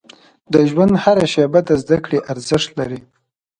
• د ژوند هره شیبه د زده کړې ارزښت لري.